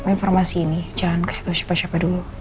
informasi ini jangan kasih tau siapa siapa dulu